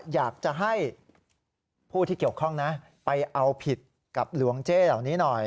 อยากจะให้ผู้ที่เกี่ยวข้องนะไปเอาผิดกับหลวงเจ้เหล่านี้หน่อย